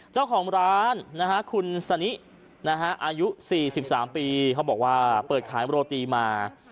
เจ้าของร้านคุณสนิอายุ๔๓ปีเขาบอกว่าเปิดขายโรตีมา